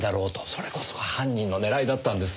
それこそが犯人の狙いだったんです。